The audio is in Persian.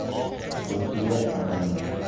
شوخی عملی